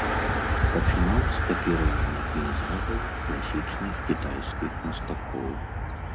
Пачынаў з капіравання пейзажаў класічных кітайскіх мастакоў.